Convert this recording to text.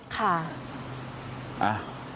ค่ะ